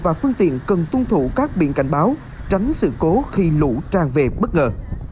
và phương tiện cần tuân thủ các biện cảnh báo tránh sự cố khi lũ tràn về bất ngờ